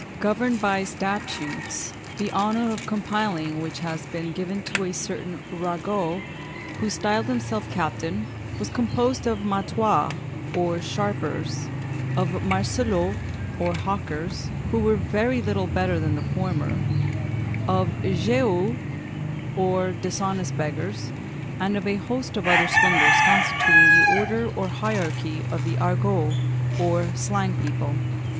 ] This alliance governed by statutes, the honour of compiling which has been given to a certain Ragot, who styled himself captain was composed of matois, or sharpers; of mercelots, or hawkers, who were very little better than the former; of gueux, or dishonest beggars, and of a host of other swindlers, constituting the order or hierarchy of the Argot, or Slang people.